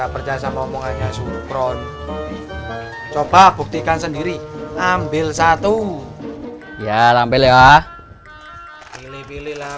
percaya sama omongannya suruh kron coba buktikan sendiri ambil satu ya lampil ya pilih pilih lah